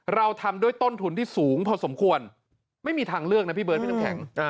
เราทำด้วยต้นทุนที่สูงพอสมควรไม่มีทางเลือกนะพี่เบิร์ดพี่น้ำแข็ง